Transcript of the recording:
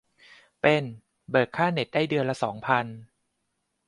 เป็น เบิกค่าเน็ตได้เดือนละสองพัน